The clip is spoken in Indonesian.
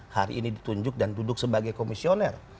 hari ini ditunjuk dan duduk sebagai komisioner